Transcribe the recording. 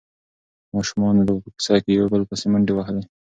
ماشومانو به په کوڅه کې یو بل پسې منډې وهلې.